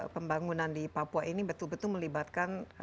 pembangunan di papua ini betul betul melibatkan